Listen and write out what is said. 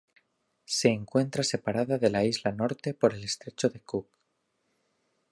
Se encuentra separada de la isla Norte por el estrecho de Cook.